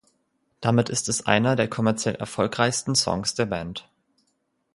Damit ist es einer der kommerziell erfolgreichsten Songs der Band.